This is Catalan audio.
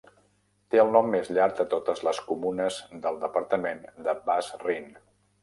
Té el nom més llarg de totes les comunes del departament de Bas-Rhin.